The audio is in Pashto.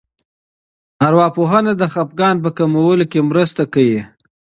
ارواپوهنه د خپګان په کمولو کې مرسته کوي.